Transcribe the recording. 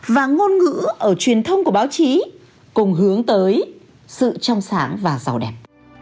và ngôn ngữ ở truyền thông của báo chí cùng hướng tới sự trong sáng và giàu đẹp